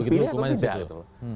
dipilih atau tidak